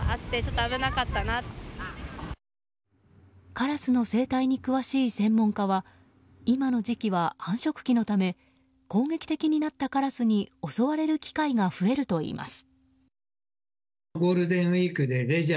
カラスの生態に詳しい専門家は今の時期は繁殖期のため攻撃的になったカラスに襲われる機会が増えているといいます。